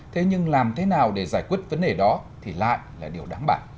thế nhưng làm thế nào để giải quyết vấn đề đó thì lại là điều đáng bản